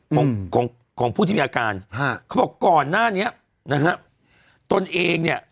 ของของผู้ที่มีอาการฮะเขาบอกก่อนหน้านี้นะฮะตนเองเนี่ย